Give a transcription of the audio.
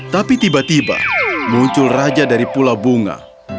tapi tiba tiba muncul raja dari pulau bunga